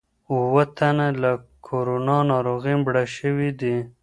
اووه تنه له کورونا ناروغۍ مړه شوي دي.